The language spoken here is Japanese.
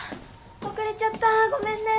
遅れちゃったごめんね。